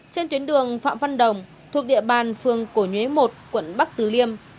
trên tuyến đường phạm văn đồng thuộc địa bàn phường cổ nhuế một quận bắc từ liêm